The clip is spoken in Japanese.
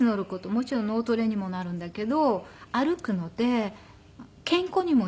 もちろん脳トレにもなるんだけど歩くので健康にもいい。